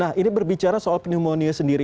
nah ini berbicara soal pneumonia sendiri